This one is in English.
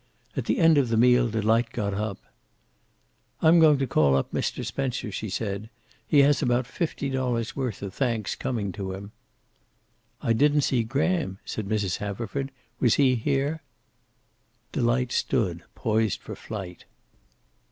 At the end of the meal Delight got up. "I'm going to call up Mr. Spencer," she said. "He has about fifty dollars' worth of thanks coming to him." "I didn't see Graham," said Mrs. Haverford. "Was he here?" Delight stood poised for flight.